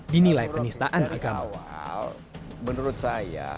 layak penistaan agama